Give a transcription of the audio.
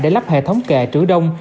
để lắp hệ thống kệ trữ đông